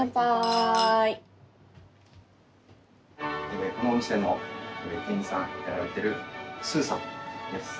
ここでこのお店の店員さんやられてるスーさんです。